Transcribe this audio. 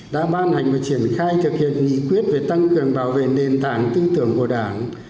đã ban hành và triển khai thực hiện nghị quyết về tăng cường bảo vệ nền tảng tư tưởng của đảng